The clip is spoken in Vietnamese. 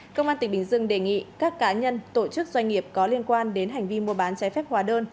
công an tỉnh bình dương đề nghị các cá nhân tổ chức doanh nghiệp có liên quan đến hành vi mua bán trái phép hóa đơn